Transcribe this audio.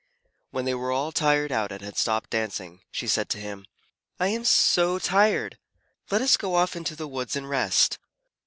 When they were all tired out and had stopped dancing, she said to him, "I am so tired! Let us go off into the woods and rest."